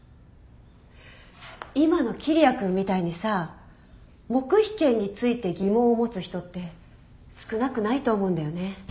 今の桐矢君みたいにさ黙秘権について疑問を持つ人って少なくないと思うんだよね。